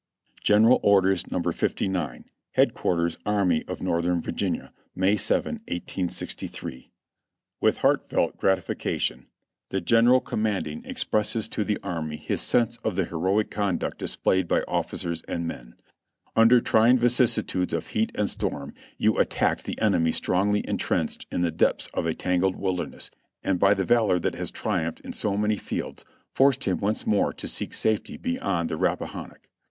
"General Orders, No. 59. "Head Quarters Army of Northern Virginia, "May 7, 1863. "With heartfelt gratification the General commanding expresses 23 354 JOHNNY REB AND BILLY YANK to the army his sense of the heroic conduct displayed by officers and men. ''Under trying vicissitudes of heat and storm you attacked the enemy strongly entrenched in the depths of a tangled wilderness, and by the valor that has triumphed in so many fields forced him once more to seek safety beyond the Rappahannock.